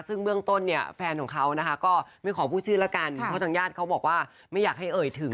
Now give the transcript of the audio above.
ซึ่งเมืองต้นแฟนของเขาก็ไม่ขอพูดชื่นละกันเพ้าทางย่านเขาบอกว่าไม่อยากให้เอ่ยถึงนะคะ